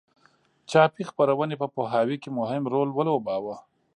چاپي خپرونې په پوهاوي کې مهم رول ولوباوه.